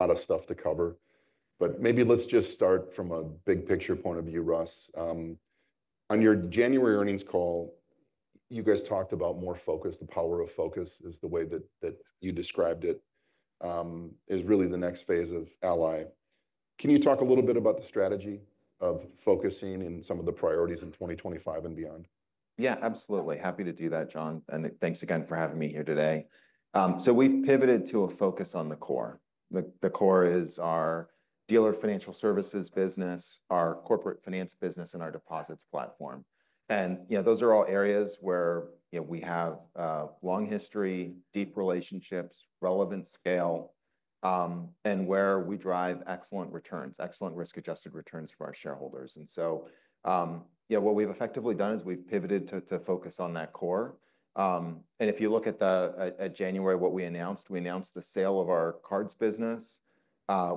Lots of stuff to cover, but maybe let's just start from a big-picture point of view, Russ. On your January earnings call, you guys talked about more focus. The power of focus is the way that you described it, is really the next phase of Ally. Can you talk a little bit about the strategy of focusing and some of the priorities in 2025 and beyond? Yeah, absolutely. Happy to do that, John, and thanks again for having me here today. So we've pivoted to a focus on the core. The core is our dealer financial services business, our corporate finance business, and our deposits platform. And those are all areas where we have a long history, deep relationships, relevant scale, and where we drive excellent returns, excellent risk-adjusted returns for our shareholders. And so what we've effectively done is we've pivoted to focus on that core. And if you look at January, what we announced, we announced the sale of our cards business.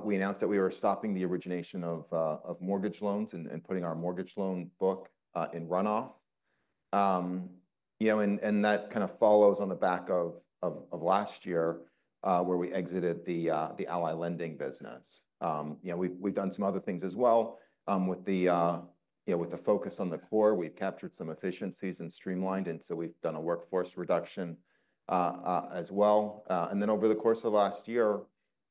We announced that we were stopping the origination of mortgage loans and putting our mortgage loan book in runoff. And that kind of follows on the back of last year, where we exited the Ally Lending business. We've done some other things as well with the focus on the core. We've captured some efficiencies and streamlined, and so we've done a workforce reduction as well. And then over the course of last year,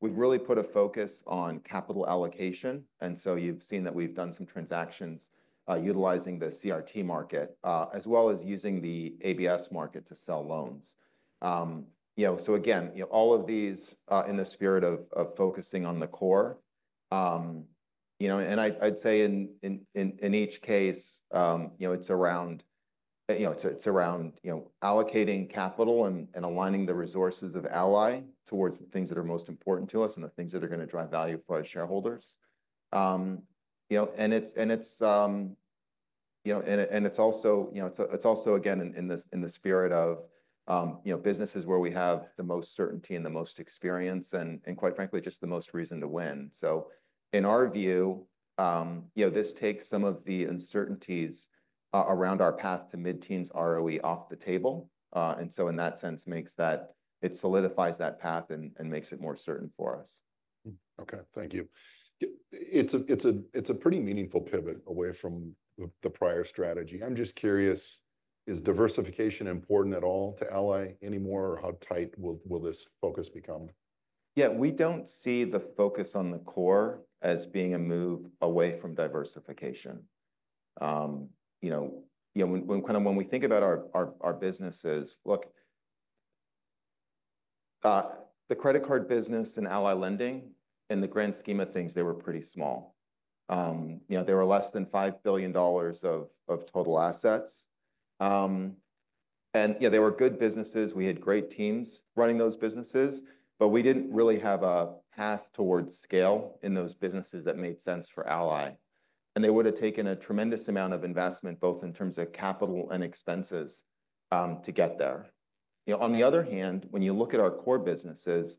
we've really put a focus on capital allocation. And so you've seen that we've done some transactions utilizing the CRT market, as well as using the ABS market to sell loans. So again, all of these in the spirit of focusing on the core. And I'd say in each case, it's around allocating capital and aligning the resources of Ally towards the things that are most important to us and the things that are going to drive value for our shareholders. And it's also, again, in the spirit of businesses where we have the most certainty and the most experience and, quite frankly, just the most reason to win. So, in our view, this takes some of the uncertainties around our path to mid-teens ROE off the table. And so, in that sense, it solidifies that path and makes it more certain for us. Okay, thank you. It's a pretty meaningful pivot away from the prior strategy. I'm just curious, is diversification important at all to Ally anymore, or how tight will this focus become? Yeah, we don't see the focus on the core as being a move away from diversification. When we think about our businesses, look, the credit card business and Ally Lending, in the grand scheme of things, they were pretty small. They were less than $5 billion of total assets. And they were good businesses. We had great teams running those businesses, but we didn't really have a path towards scale in those businesses that made sense for Ally. And they would have taken a tremendous amount of investment, both in terms of capital and expenses, to get there. On the other hand, when you look at our core businesses,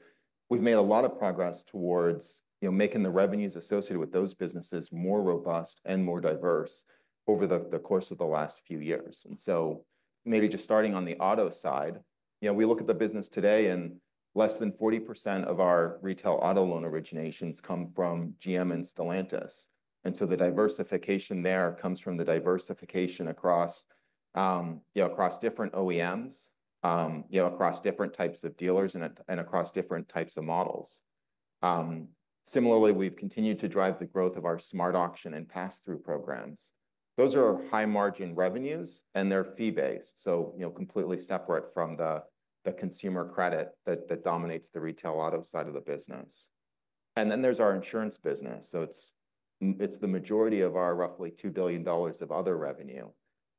we've made a lot of progress towards making the revenues associated with those businesses more robust and more diverse over the course of the last few years. And so maybe just starting on the auto side, we look at the business today, and less than 40% of our retail auto loan originations come from GM and Stellantis. And so, the diversification there comes from the diversification across different OEMs, across different types of dealers, and across different types of models. Similarly, we've continued to drive the growth of our SmartAuction and pass-through programs. Those are high-margin revenues, and they're fee-based, so completely separate from the consumer credit that dominates the retail auto side of the business. And then there's our insurance business. So it's the majority of our roughly $2 billion of other revenue.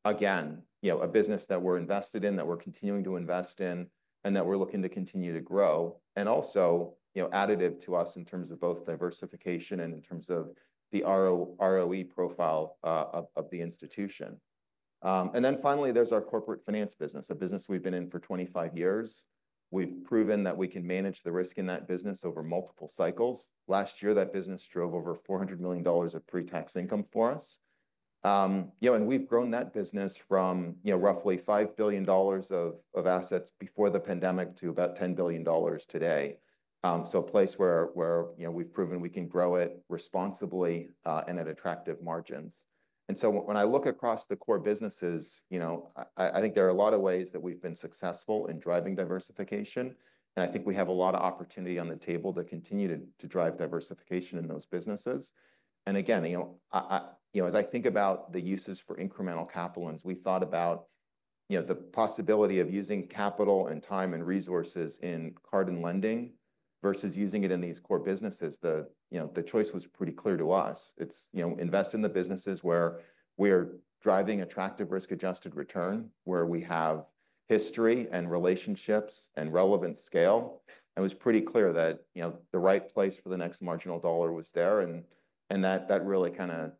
Again, a business that we're invested in, that we're continuing to invest in, and that we're looking to continue to grow, and also additive to us in terms of both diversification and in terms of the ROE profile of the institution. And then finally, there's our corporate finance business, a business we've been in for 25 years. We've proven that we can manage the risk in that business over multiple cycles. Last year, that business drove over $400 million of pre-tax income for us. And we've grown that business from roughly $5 billion of assets before the pandemic to about $10 billion today. So a place where we've proven we can grow it responsibly and at attractive margins. And so when I look across the core businesses, I think there are a lot of ways that we've been successful in driving diversification. And I think we have a lot of opportunity on the table to continue to drive diversification in those businesses. Again, as I think about the uses for incremental capital ones, we thought about the possibility of using capital and time and resources in card and lending versus using it in these core businesses. The choice was pretty clear to us. It's invest in the businesses where we're driving attractive risk-adjusted return, where we have history and relationships and relevant scale. It was pretty clear that the right place for the next marginal dollar was there, and that really kind of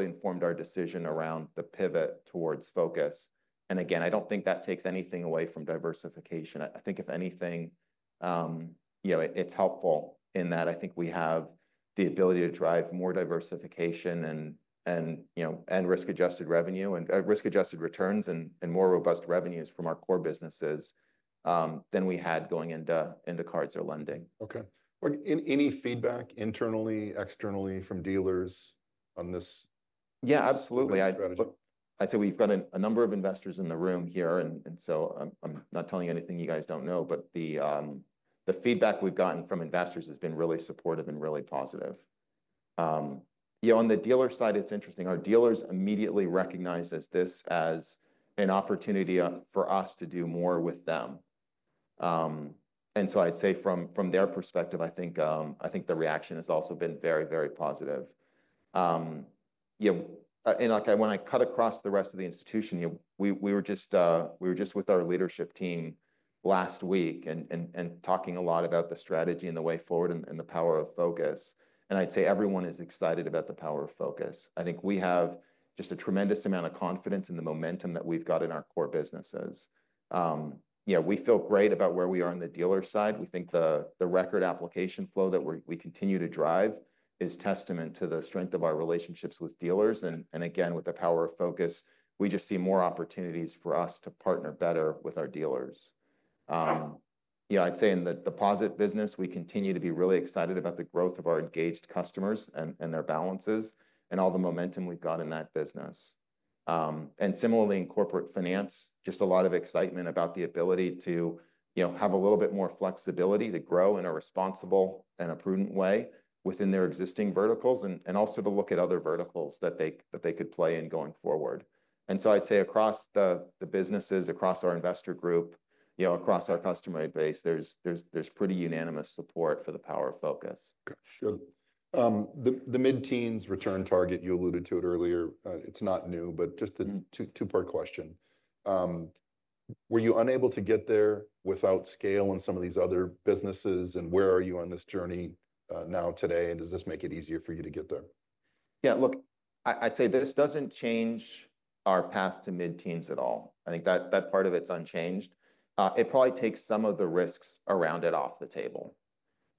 informed our decision around the pivot towards focus. Again, I don't think that takes anything away from diversification. I think if anything, it's helpful in that I think we have the ability to drive more diversification and risk-adjusted revenue and risk-adjusted returns and more robust revenues from our core businesses than we had going into cards or lending. Okay. Any feedback internally, externally from dealers on this strategy? Yeah, absolutely. I'd say we've got a number of investors in the room here, and so I'm not telling you anything you guys don't know, but the feedback we've gotten from investors has been really supportive and really positive. On the dealer side, it's interesting. Our dealers immediately recognize this as an opportunity for us to do more with them. And so I'd say from their perspective, I think the reaction has also been very, very positive. And when I cut across the rest of the institution, we were just with our leadership team last week and talking a lot about the strategy and the way forward and the power of focus. And I'd say everyone is excited about the power of focus. I think we have just a tremendous amount of confidence in the momentum that we've got in our core businesses. We feel great about where we are on the dealer side. We think the record application flow that we continue to drive is testament to the strength of our relationships with dealers. And again, with the power of focus, we just see more opportunities for us to partner better with our dealers. I'd say in the deposit business, we continue to be really excited about the growth of our engaged customers and their balances and all the momentum we've got in that business. And similarly, in corporate finance, just a lot of excitement about the ability to have a little bit more flexibility to grow in a responsible and a prudent way within their existing verticals and also to look at other verticals that they could play in going forward. I'd say across the businesses, across our investor group, across our customer base, there's pretty unanimous support for the power of focus. Sure. The mid-teens return target, you alluded to it earlier. It's not new, but just a two-part question. Were you unable to get there without scale in some of these other businesses, and where are you on this journey now today, and does this make it easier for you to get there? Yeah, look, I'd say this doesn't change our path to mid-teens at all. I think that part of it's unchanged. It probably takes some of the risks around it off the table.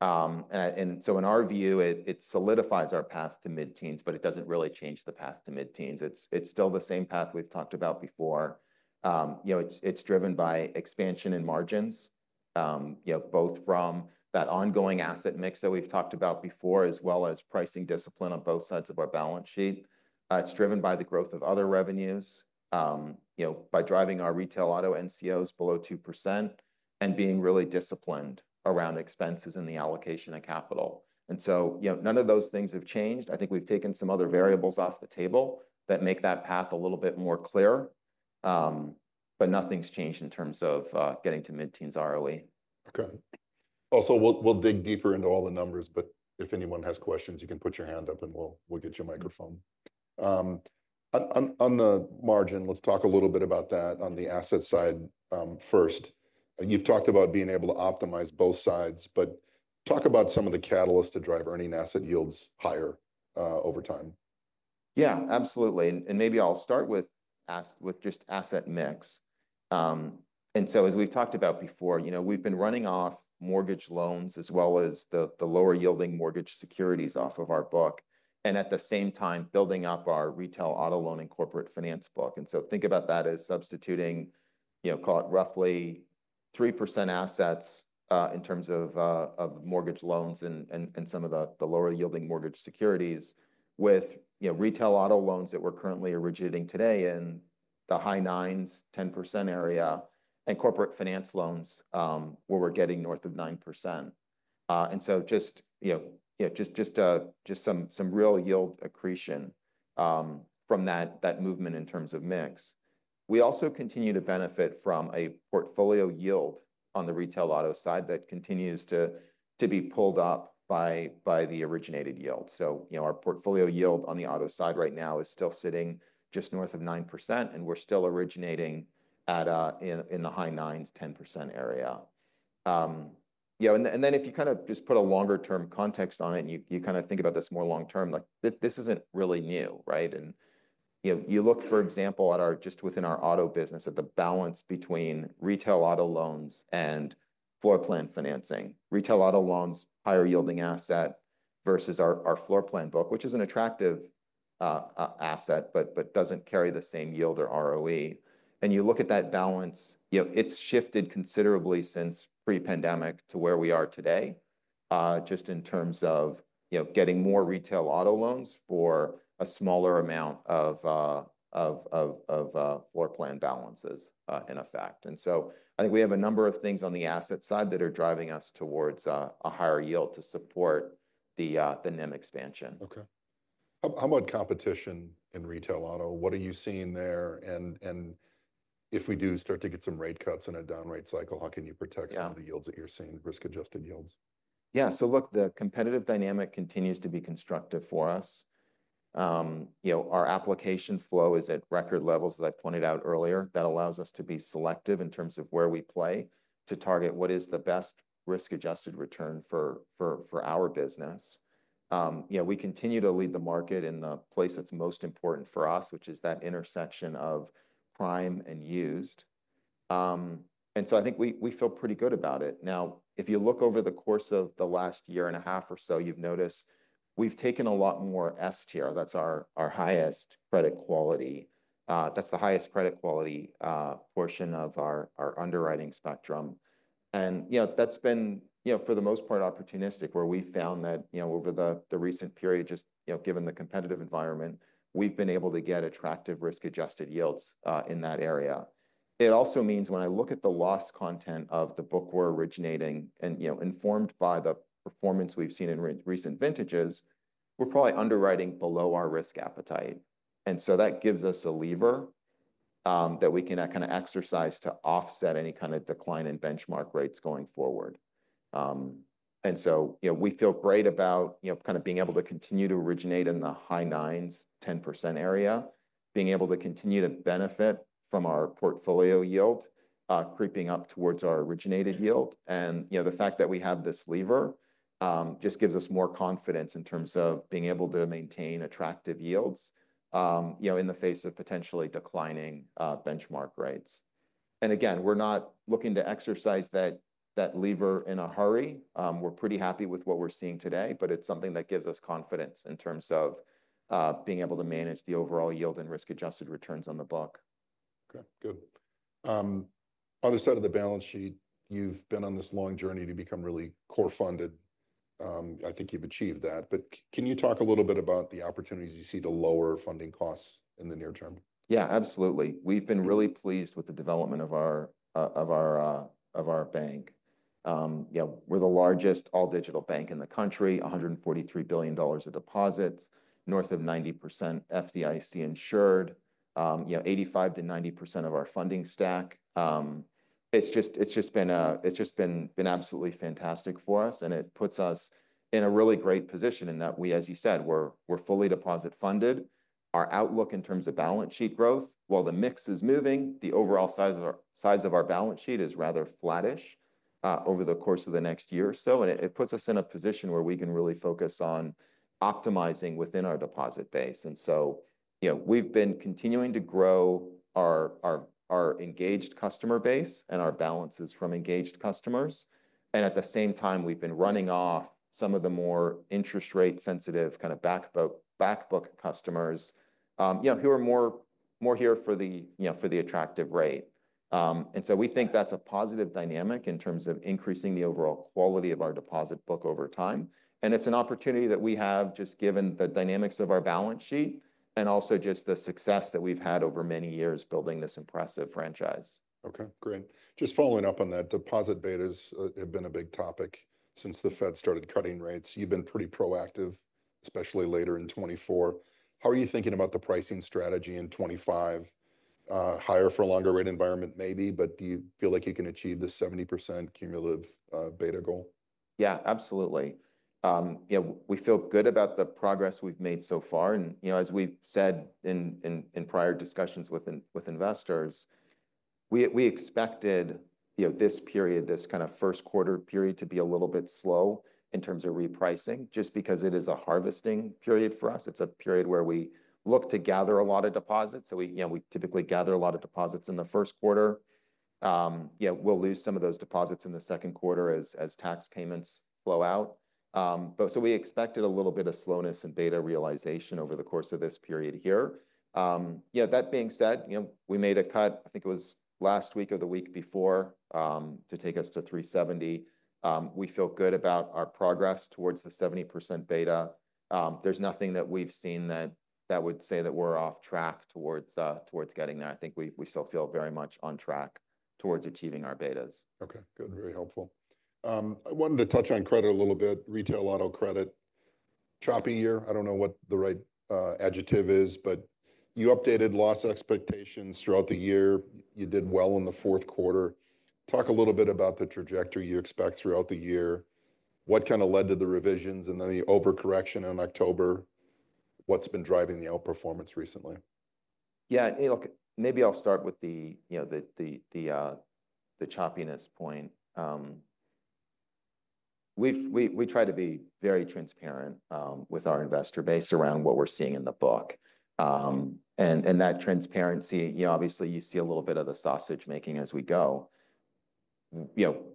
And so in our view, it solidifies our path to mid-teens, but it doesn't really change the path to mid-teens. It's still the same path we've talked about before. It's driven by expansion and margins, both from that ongoing asset mix that we've talked about before, as well as pricing discipline on both sides of our balance sheet. It's driven by the growth of other revenues, by driving our retail auto NCOs below 2% and being really disciplined around expenses and the allocation of capital. And so none of those things have changed. I think we've taken some other variables off the table that make that path a little bit more clear, but nothing's changed in terms of getting to mid-teens ROE. Okay. Also, we'll dig deeper into all the numbers, but if anyone has questions, you can put your hand up and we'll get you a microphone. On the margin, let's talk a little bit about that on the asset side first. You've talked about being able to optimize both sides but talk about some of the catalysts to drive earning asset yields higher over time. Yeah, absolutely. And maybe I'll start with just asset mix. And so as we've talked about before, we've been running off mortgage loans as well as the lower-yielding mortgage securities off of our book, and at the same time, building up our retail auto loan and corporate finance book. And so think about that as substituting, call it roughly 3% assets in terms of mortgage loans and some of the lower-yielding mortgage securities with retail auto loans that we're currently originating today in the high 9s-10% area, and corporate finance loans where we're getting north of 9%. And so just some real yield accretion from that movement in terms of mix. We also continue to benefit from a portfolio yield on the retail auto side that continues to be pulled up by the originated yield. So, our portfolio yield on the auto side right now is still sitting just north of 9%, and we're still originating in the high 9s, 10% area. And then if you kind of just put a longer-term context on it and you kind of think about this more long-term, this isn't really new, right? And you look, for example, just within our auto business at the balance between retail auto loans and floor plan financing. Retail auto loans, higher-yielding asset versus our floor plan book, which is an attractive asset, but doesn't carry the same yield or ROE. And you look at that balance, it's shifted considerably since pre-pandemic to where we are today, just in terms of getting more retail auto loans for a smaller amount of floor plan balances in effect. I think we have a number of things on the asset side that are driving us towards a higher yield to support the NIM expansion. Okay. How about competition in retail auto? What are you seeing there? And if we do start to get some rate cuts in a downward cycle, how can you protect some of the yields that you're seeing, risk-adjusted yields? Yeah, so look, the competitive dynamic continues to be constructive for us. Our application flow is at record levels, as I pointed out earlier. That allows us to be selective in terms of where we play to target what is the best risk-adjusted return for our business. We continue to lead the market in the place that's most important for us, which is that intersection of prime and used. And so I think we feel pretty good about it. Now, if you look over the course of the last year and a half or so, you've noticed we've taken a lot more S Tier. That's our highest credit quality. That's the highest credit quality portion of our underwriting spectrum. That's been, for the most part, opportunistic, where we found that over the recent period, just given the competitive environment, we've been able to get attractive risk-adjusted yields in that area. It also means, when I look at the loan content of the book we're originating and informed by the performance we've seen in recent vintages, we're probably underwriting below our risk appetite. And so that gives us a lever that we can kind of exercise to offset any kind of decline in benchmark rates going forward. And so we feel great about kind of being able to continue to originate in the high 9s, 10% area, being able to continue to benefit from our portfolio yield creeping up towards our originated yield. And the fact that we have this lever just gives us more confidence in terms of being able to maintain attractive yields in the face of potentially declining benchmark rates. And again, we're not looking to exercise that lever in a hurry. We're pretty happy with what we're seeing today, but it's something that gives us confidence in terms of being able to manage the overall yield and risk-adjusted returns on the book. Okay, good. On the side of the balance sheet, you've been on this long journey to become really core funded. I think you've achieved that. But can you talk a little bit about the opportunities you see to lower funding costs in the near term? Yeah, absolutely. We've been really pleased with the development of our bank. We're the largest all-digital bank in the country, $143 billion of deposits, north of 90% FDIC insured, 85%-90% of our funding stack. It's just been absolutely fantastic for us, and it puts us in a really great position in that we, as you said, we're fully deposit funded. Our outlook in terms of balance sheet growth, while the mix is moving, the overall size of our balance sheet is rather flattish over the course of the next year or so. And it puts us in a position where we can really focus on optimizing within our deposit base. And so we've been continuing to grow our engaged customer base and our balances from engaged customers. And at the same time, we've been running off some of the more interest rate-sensitive kind of back book customers who are more here for the attractive rate. And so, we think that's a positive dynamic in terms of increasing the overall quality of our deposit book over time. And it's an opportunity that we have just given the dynamics of our balance sheet and also just the success that we've had over many years building this impressive franchise. Okay, great. Just following up on that, deposit betas have been a big topic since the Feds started cutting rates. You've been pretty proactive, especially later in 2024. How are you thinking about the pricing strategy in 2025? Higher for a longer rate environment, maybe, but do you feel like you can achieve the 70% cumulative beta goal? Yeah, absolutely. We feel good about the progress we've made so far. And as we've said in prior discussions with investors, we expected this period, this kind of Q1 period, to be a little bit slow in terms of repricing just because it is a harvesting period for us. It's a period where we look to gather a lot of deposits. So we typically gather a lot of deposits in the Q1. We'll lose some of those deposits in the Q2 as tax payments flow out. So, we expected a little bit of slowness and beta realization over the course of this period here. That being said, we made a cut, I think it was last week or the week before, to take us to 370. We feel good about our progress towards the 70% beta. There's nothing that we've seen that would say that we're off track towards getting there. I think we still feel very much on track towards achieving our betas. Okay, good. Very helpful. I wanted to touch on credit a little bit. Retail auto credit, choppy year. I don't know what the right adjective is, but you updated loss expectations throughout the year. You did well in the Q4. Talk a little bit about the trajectory you expect throughout the year. What kind of led to the revisions and then the overcorrection in October? What's been driving the outperformance recently? Yeah, look, maybe I'll start with the choppiness point. We try to be very transparent with our investor base around what we're seeing in the book. And that transparency, obviously, you see a little bit of the sausage making as we go.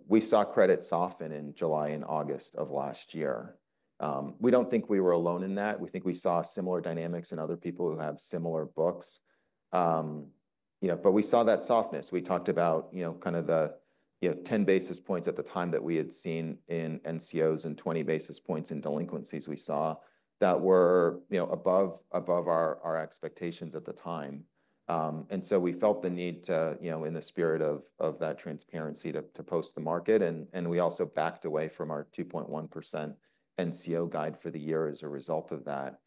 We saw credit soften in July and August of last year. We don't think we were alone in that. We think we saw similar dynamics in other people who have similar books. But we saw that softness. We talked about kind of the 10 basis points at the time that we had seen in NCOs and 20 basis points in delinquencies, we saw that were above our expectations at the time. And so we felt the need to, in the spirit of that transparency, to post the market. And we also backed away from our 2.1% NCO guide for the year as a result of that.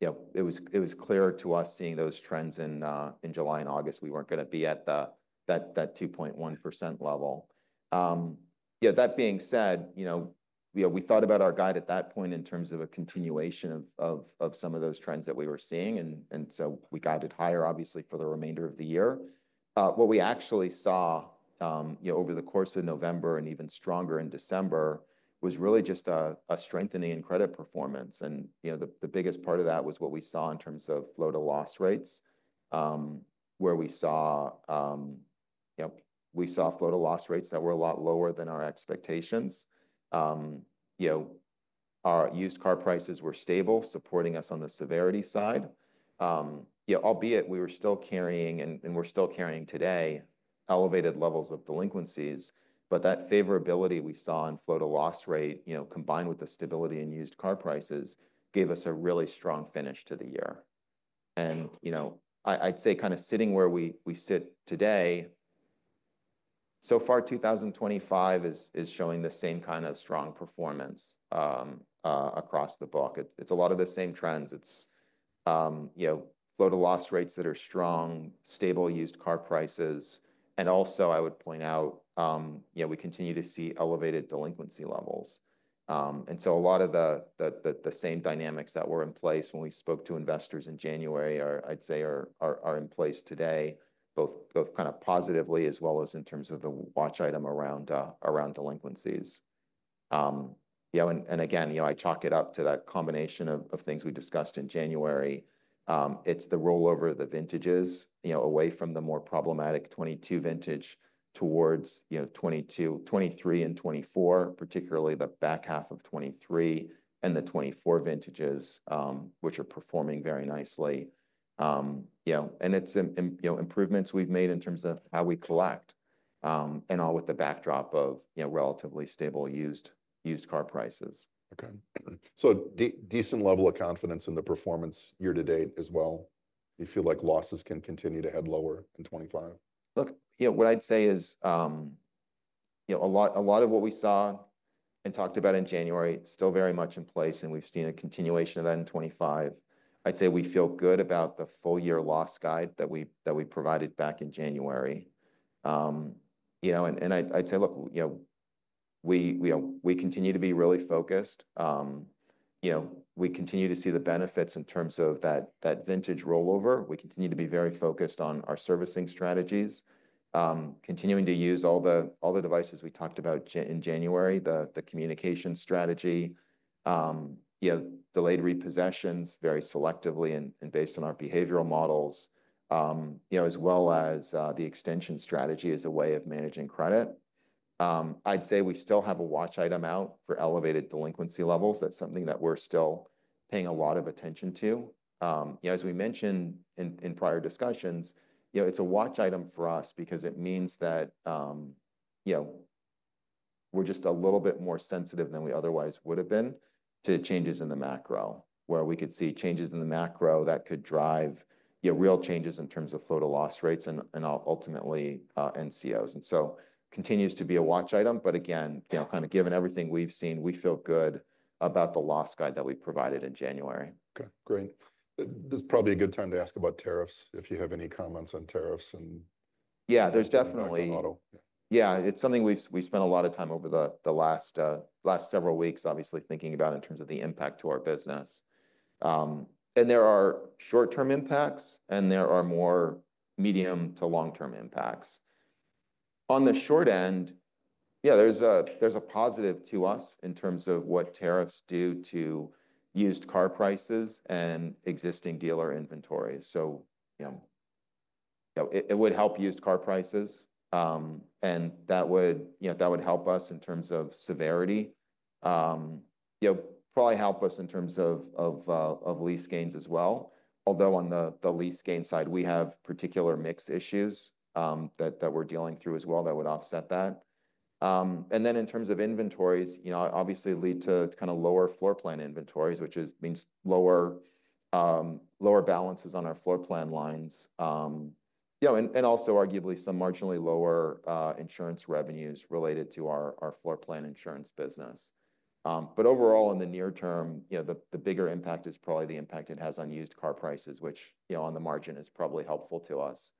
It was clearer to us seeing those trends in July and August. We weren't going to be at that 2.1% level. That being said, we thought about our guide at that point in terms of a continuation of some of those trends that we were seeing. And so, we guided higher, obviously, for the remainder of the year. What we actually saw over the course of November and even stronger in December was really just a strengthening in credit performance. And the biggest part of that was what we saw in terms of flow-to-loss rates, where we saw flow-to-loss rates that were a lot lower than our expectations. Our used car prices were stable, supporting us on the severity side, albeit we were still carrying, and we're still carrying today, elevated levels of delinquencies. But that favorability we saw in flow-to-loss rate, combined with the stability in used car prices, gave us a really strong finish to the year. And I'd say kind of sitting where we sit today, so far, 2025 is showing the same kind of strong performance across the book. It's a lot of the same trends. It's flow-to-loss rates that are strong, stable used car prices. And also, I would point out, we continue to see elevated delinquency levels. And so, a lot of the same dynamics that were in place when we spoke to investors in January, I'd say, are in place today, both kind of positively as well as in terms of the watch item around delinquencies. And again, I chalk it up to that combination of things we discussed in January. It's the rollover of the vintages away from the more problematic 2022 vintage towards 2023 and 2024, particularly the back half of 2023 and the 2024 vintages, which are performing very nicely, and its improvements we've made in terms of how we collect, and all with the backdrop of relatively stable used car prices. Okay. So decent level of confidence in the performance year to date as well? You feel like losses can continue to head lower in 2025? Look, what I'd say is a lot of what we saw and talked about in January is still very much in place, and we've seen a continuation of that in 2025. I'd say we feel good about the full-year loss guide that we provided back in January. And I'd say, look, we continue to be really focused. We continue to see the benefits in terms of that vintage rollover. We continue to be very focused on our servicing strategies, continuing to use all the devices we talked about in January, the communication strategy, delayed repossessions very selectively and based on our behavioral models, as well as the extension strategy as a way of managing credit. I'd say we still have a watch item out for elevated delinquency levels. That's something that we're still paying a lot of attention to. As we mentioned in prior discussions, it's a watch item for us because it means that we're just a little bit more sensitive than we otherwise would have been to changes in the macro, where we could see changes in the macro that could drive real changes in terms of flow-to-loss rates and ultimately NCOs. And so continues to be a watch item. But again, kind of given everything we've seen, we feel good about the loss guide that we provided in January. Okay, great. This is probably a good time to ask about tariffs, if you have any comments on tariffs and. Yeah, there's definitely. On the model. Yeah, it's something we've spent a lot of time over the last several weeks, obviously, thinking about in terms of the impact to our business. And there are short-term impacts, and there are more medium to long-term impacts. On the short end, yeah, there's a positive to us in terms of what tariffs do to used car prices and existing dealer inventories. So it would help used car prices, and that would help us in terms of severity, probably help us in terms of lease gains as well. Although on the lease gain side, we have particular mix issues that we're dealing through as well that would offset that. And then in terms of inventories, obviously lead to kind of lower floor plan inventories, which means lower balances on our floor plan lines, and also arguably some marginally lower insurance revenues related to our floor plan insurance business. But overall, in the near term, the bigger impact is probably the impact it has on used car prices, which on the margin is probably helpful to us.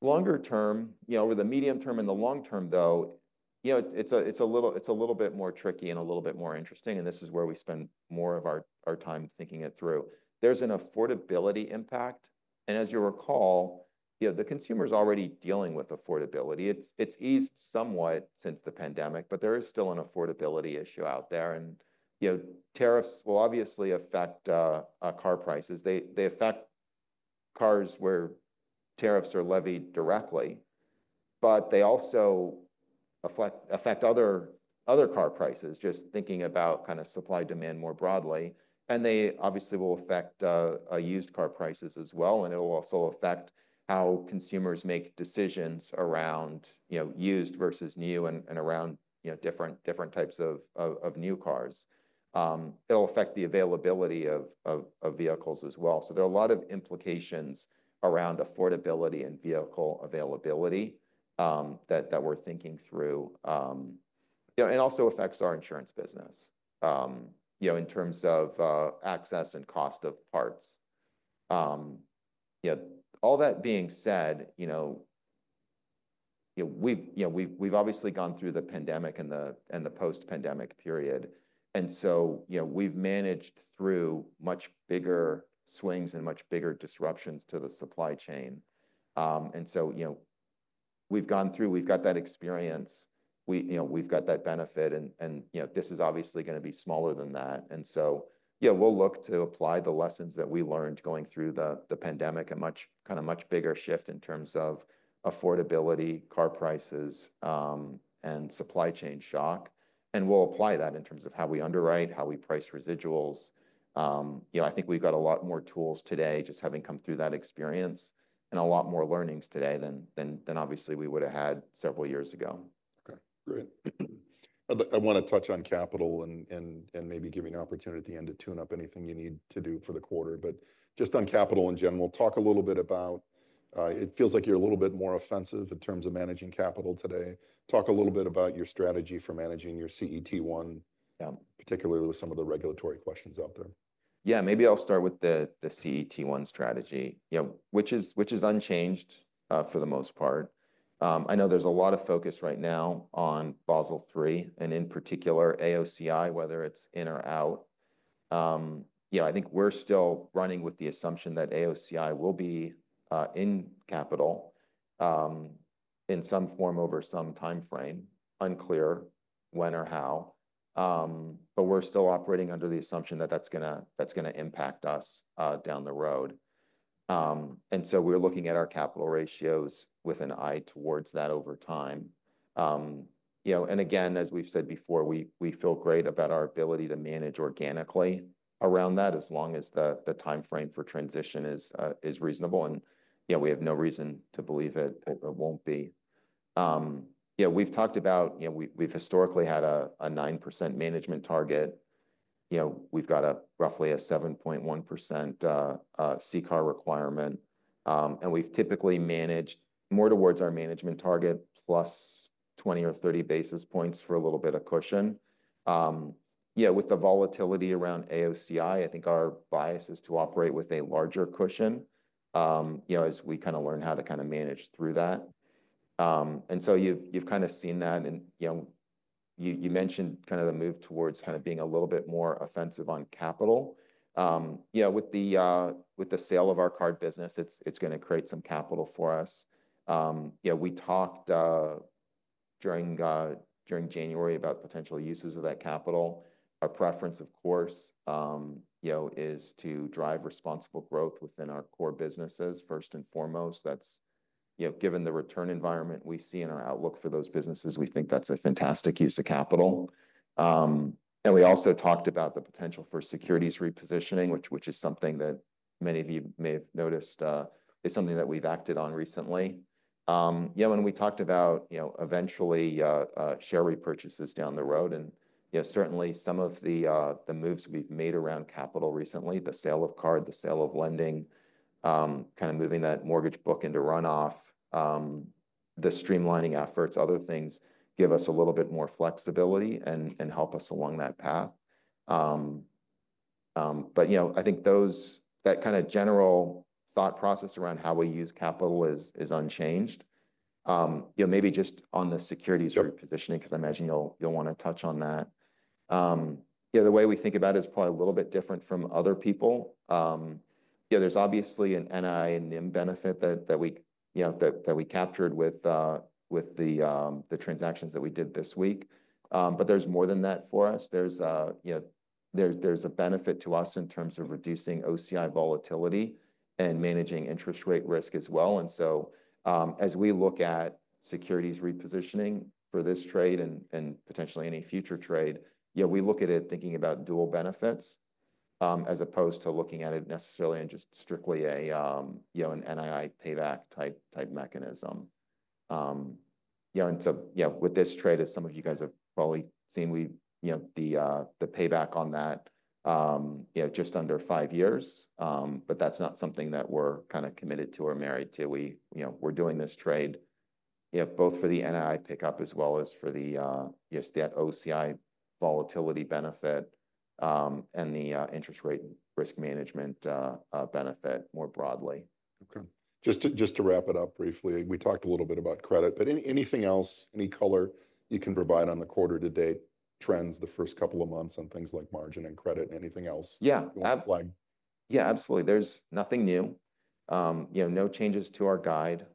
Longer term, over the medium term and the long term, though, it's a little bit more tricky and a little bit more interesting. And this is where we spend more of our time thinking it through. There's an affordability impact. And as you recall, the consumer is already dealing with affordability. It's eased somewhat since the pandemic, but there is still an affordability issue out there. And tariffs will obviously affect car prices. They affect cars where tariffs are levied directly, but they also affect other car prices, just thinking about kind of supply and demand more broadly. And they obviously will affect used car prices as well. And it will also affect how consumers make decisions around used versus new and around different types of new cars. It will affect the availability of vehicles as well. So there are a lot of implications around affordability and vehicle availability that we're thinking through and also affects our insurance business in terms of access and cost of parts. All that being said, we've obviously gone through the pandemic and the post-pandemic period. And so we've managed through much bigger swings and much bigger disruptions to the supply chain. And so we've gone through, we've got that experience, we've got that benefit, and this is obviously going to be smaller than that. And so we'll look to apply the lessons that we learned going through the pandemic, a kind of much bigger shift in terms of affordability, car prices, and supply chain shock. And we'll apply that in terms of how we underwrite, how we price residuals. I think we've got a lot more tools today, just having come through that experience and a lot more learnings today than obviously we would have had several years ago. Okay, great. I want to touch on capital and maybe give you an opportunity at the end to tune up anything you need to do for the quarter. But just on capital in general, talk a little bit about it. It feels like you're a little bit more offensive in terms of managing capital today. Talk a little bit about your strategy for managing your CET1, particularly with some of the regulatory questions out there. Yeah, maybe I'll start with the CET1 strategy, which is unchanged for the most part. I know there's a lot of focus right now on Basel III and in particular AOCI, whether it's in or out. I think we're still running with the assumption that AOCI will be in capital in some form over some time frame, unclear when or how. But we're still operating under the assumption that that's going to impact us down the road. And so we're looking at our capital ratios with an eye towards that over time. And again, as we've said before, we feel great about our ability to manage organically around that as long as the time frame for transition is reasonable. And we have no reason to believe it won't be. We've historically had a 9% management target. We've got roughly a 7.1% CCAR requirement. And we've typically managed more towards our management target plus 20 or 30 basis points for a little bit of cushion. With the volatility around AOCI, I think our bias is to operate with a larger cushion as we kind of learn how to kind of manage through that. And so you've kind of seen that. And you mentioned kind of the move towards kind of being a little bit more offensive on capital. With the sale of our card business, it's going to create some capital for us. We talked during January about potential uses of that capital. Our preference, of course, is to drive responsible growth within our core businesses, first and foremost. Given the return environment we see in our outlook for those businesses, we think that's a fantastic use of capital. And we also talked about the potential for securities repositioning, which is something that many of you may have noticed is something that we've acted on recently. And we talked about eventually share repurchases down the road. And certainly, some of the moves we've made around capital recently, the sale of card, the sale of lending, kind of moving that mortgage book into runoff, the streamlining efforts, other things give us a little bit more flexibility and help us along that path. But I think that kind of general thought process around how we use capital is unchanged. Maybe just on the securities repositioning, because I imagine you'll want to touch on that. The way we think about it is probably a little bit different from other people. There's obviously an NI and NIM benefit that we captured with the transactions that we did this week. But there's more than that for us. There's a benefit to us in terms of reducing OCI volatility and managing interest rate risk as well. And so as we look at securities repositioning for this trade and potentially any future trade, we look at it thinking about dual benefits as opposed to looking at it necessarily and just strictly an NII payback type mechanism. And with this trade, as some of you guys have probably seen, the payback on that just under five years. But that's not something that we're kind of committed to or married to. We're doing this trade both for the NII pickup as well as for the OCI volatility benefit and the interest rate risk management benefit more broadly. Okay. Just to wrap it up briefly, we talked a little bit about credit. But anything else, any color you can provide on the quarter-to-date trends, the first couple of months on things like margin and credit, and anything else you want to flag? Yeah, absolutely. There's nothing new. No changes to our guide.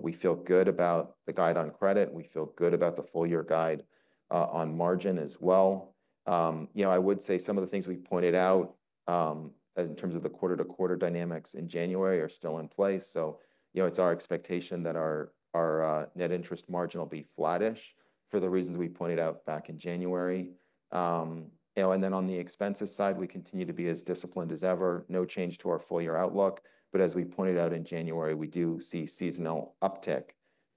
We feel good about the guide on credit. We feel good about the full-year guide on margin as well. I would say some of the things we pointed out in terms of the quarter-to-quarter dynamics in January are still in place, so it's our expectation that our net interest margin will be flattish for the reasons we pointed out back in January, and then on the expenses side, we continue to be as disciplined as ever. No change to our full-year outlook, but as we pointed out in January, we do see seasonal uptick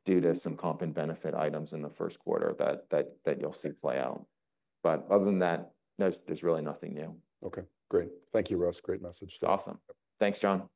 due to some comp and benefit items in the Q1 that you'll see play out, but other than that, there's really nothing new. Okay, great. Thank you, Russ. Great message. Awesome. Thanks, John.